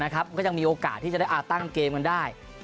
ก็ยังมีโอกาสที่จะได้ตั้งเกมกันได้